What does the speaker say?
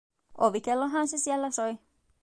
Ovikellohan se siellä soi.